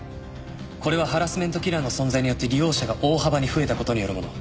これはハラスメントキラーの存在によって利用者が大幅に増えた事によるもの。